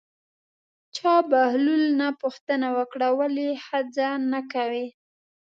چا بهلول نه پوښتنه وکړه ولې ښځه نه کوې.